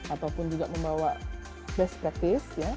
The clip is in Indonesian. ataupun juga membawa base gratis